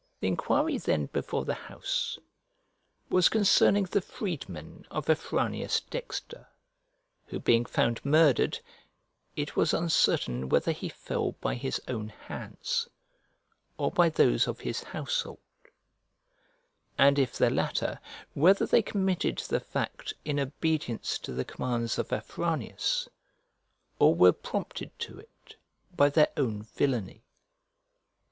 The enquiry then before the house was concerning the freedmen of Afranius Dexter, who being found murdered, it was uncertain whether he fell by his own hands, or by those of his household; and if the latter, whether they committed the fact in obedience to the commands of Afranius, or were prompted to it by their own villainy.